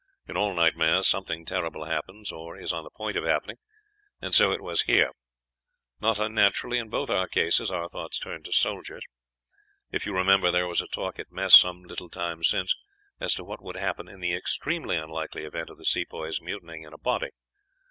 In all nightmares something terrible happens, or is on the point of happening; and so it was here. Not unnaturally in both our cases our thoughts turned to soldiers. If you remember, there was a talk at mess some little time since as to what would happen in the extremely unlikely event of the Sepoys mutinying in a body.